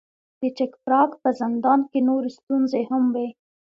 د چک پراګ په زندان کې نورې ستونزې هم وې.